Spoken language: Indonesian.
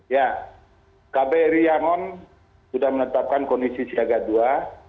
ya kbri yangon sudah menetapkan kondisi siaga dua